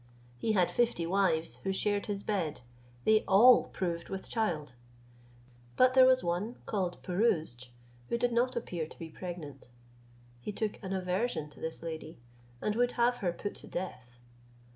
He had fifty wives who shared his bed; they all proved with child; but there was one called Pirouzč, who did not appear to be pregnant. He took an aversion to this lady, and would have her put to death.